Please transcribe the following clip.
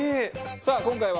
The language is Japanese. さあ今回は。